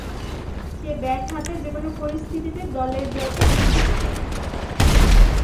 সে bat হাতে যে-কোন পরিস্থিতিতে দলের জয়কে নিশ্চিত করে।